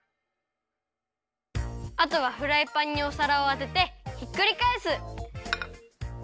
あとはフライパンにおさらをあててひっくりかえす！